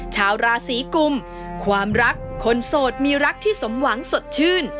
ชาวราศีกุมความรักคนโสดมีรักที่สมหวังสดชื่น